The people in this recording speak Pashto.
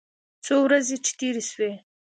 څو ورځې چې تېرې سوې.